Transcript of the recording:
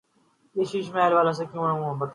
ہم شیش محل والوں سے کیونکر محبت کر بیتھے